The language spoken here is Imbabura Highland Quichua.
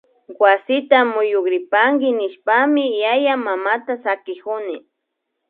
Wasita muyuripanki nishpami yayamamata sakikuni